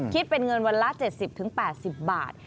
คิดเป็นเงินวันละ๗๐๘๐บาท